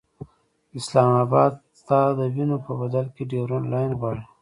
اسلام اباد ستا د وینو په بدل کې ډیورنډ لاین غواړي.